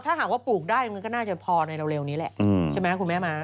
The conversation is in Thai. ถ้าหากว่าปลูกได้มันก็น่าจะพอในเร็วนี้แหละใช่ไหมคุณแม่ม้า